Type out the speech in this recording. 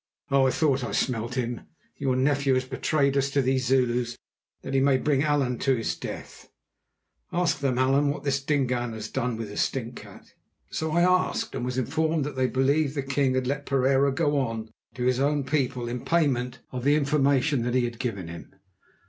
Oh! I thought I smelt him! Your nephew has betrayed us to these Zulus that he may bring Allan to his death. Ask them, Allan, what this Dingaan has done with the stinkcat." So I asked, and was informed they believed that the king had let Pereira go on to his own people in payment of the information that he had given him.